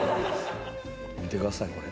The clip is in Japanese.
見てくださいこれ。